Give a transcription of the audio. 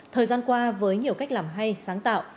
thời gian qua với nhiều cách làm hay sáng tạo